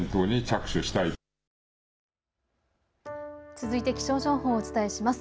続いて気象情報をお伝えします。